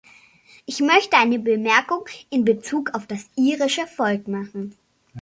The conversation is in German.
Ich möchte eine Bemerkung in Bezug auf das irische Volk machen.